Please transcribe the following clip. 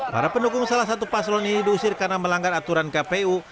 para pendukung salah satu paslon ini diusir karena melanggar aturan kpu